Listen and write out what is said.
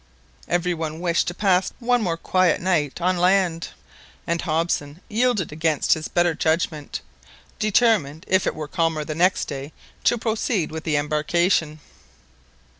Every one wished to pass one more quiet night on land, and Hobson yielded against his better judgment, determined, if it were calmer the next day, to proceed with the embarkation.